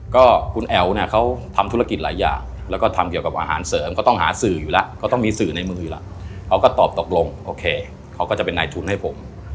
ก็คุณแอ๋วเนี่ยเขาทำธุรกิจหลายอย่างแล้วก็ทำเกี่ยวกับอาหารเสริมเขาต้องหาสื่ออยู่แล้วก็ต้องมีสื่อในมืออยู่แล้วเขาก็ตอบตกลงโอเคเขาก็จะเป็นนายทุนให้ผม